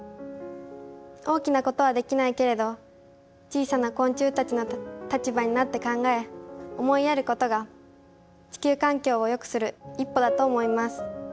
大きなことはできないけれど小さな昆虫たちの立場になって考え思いやることが地球環境をよくする一歩だと思います。